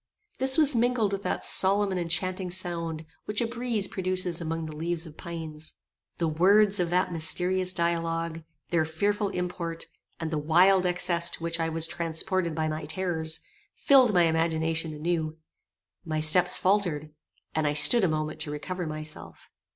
This was mingled with that solemn and enchanting sound, which a breeze produces among the leaves of pines. The words of that mysterious dialogue, their fearful import, and the wild excess to which I was transported by my terrors, filled my imagination anew. My steps faultered, and I stood a moment to recover myself.